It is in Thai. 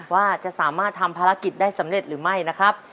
ภารกิจได้สำเร็จหรือไม่นะครับ